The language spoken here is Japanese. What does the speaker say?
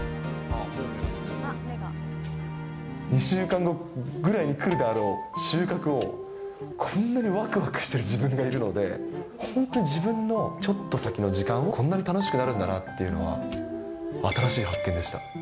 ２週間後ぐらいに来るであろう収穫を、こんなにわくわくしてる自分がいるので、本当に自分のちょっと先の時間が、こんなに楽しくなるんだなっていうのが新しい発見でした。